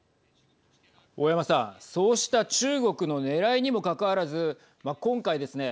大山さん、そうした中国のねらいにもかかわらず今回ですね